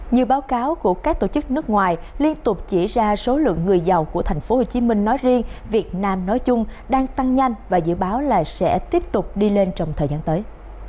nhiều báo cáo của các tổ chức nước ngoài liên tục chỉ ra số lượng người giàu của thành phố hồ chí minh nói riêng việt nam nói chung đang tăng nhanh và dự báo là sẽ tiếp tục đi lên trong thời gian tới